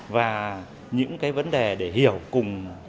và những vấn đề để hiểu cùng